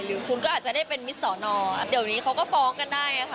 หรือคุณก็อาจจะได้เป็นมิตรสอนอเดี๋ยวนี้เขาก็ฟ้องกันได้ค่ะ